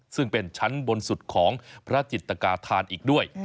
ซึ่งเป็นชั้นบนสุดของพระจิตกาธานอีกด้วย